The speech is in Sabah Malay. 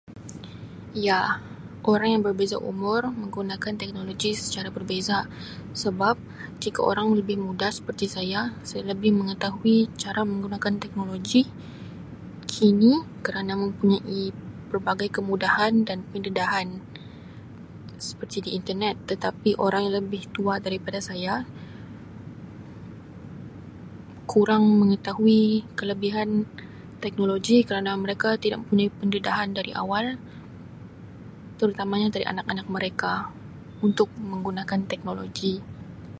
Ya, orang yang berbeza umur menggunakan teknologi secara berbeza sebab jika orang lebih muda seperti saya saya lebih mengetahui cara menggunakan teknologi kini kerana mempunyai pelbagai kemudahan dan pendedahan seperti di Internet tetapi orang yang lebih tua daripada saya kurang mengetahui kelebihan teknologi kerana mereka tidak mempunyai pendedahan dari awal terutamanya dari anak-anak mereka untuk menggunakan teknologi.